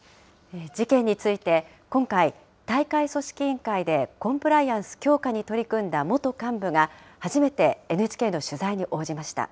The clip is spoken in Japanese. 事件について、今回、大会組織委員会でコンプライアンス強化に取り組んだ元幹部が、初めてＮＨＫの取材に応じました。